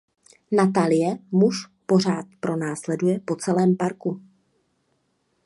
Natalie muž pořád pronásleduje po celém parku.